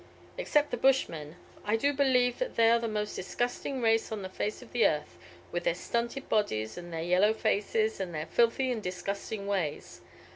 Except the Bushmen, I do believe that they are the most disgusting race on the face of the earth, with their stunted bodies and their yellow faces, and their filthy and disgusting ways.